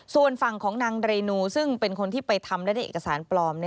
ส่วนฝั่งของนางเรนูซึ่งเป็นคนที่ไปทำและได้เอกสารปลอม